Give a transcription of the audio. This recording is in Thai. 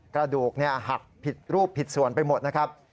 กระดูกหักผิดรูปผิดส่วนไปหมดนะครับ